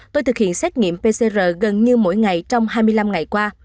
tôi thực hiện xét nghiệm pcr gần như mỗi ngày trong hai mươi năm ngày qua